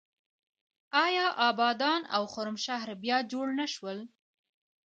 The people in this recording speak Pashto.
آیا ابادان او خرمشهر بیا جوړ نه شول؟